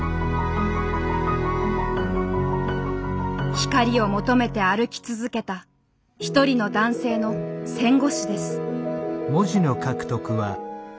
光を求めて歩き続けた一人の男性の戦後史です。